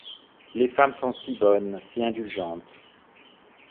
Les femmes sont si bonnes, si indulgentes !